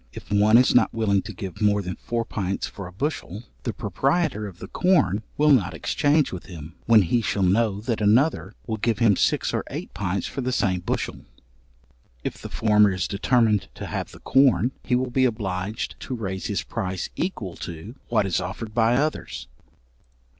If one is not willing to give more than four pints for a bushel, the proprietor of the corn will not exchange with him, when he shall know that another will give six or eight pints for the same bushel. If the former is determined to have the corn, he will be obliged to raise his price equal to what is offered by others.